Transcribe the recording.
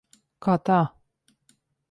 Kā tā?